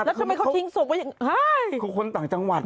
แล้วทำไมเขาทิ้งศพไว้อย่างนี้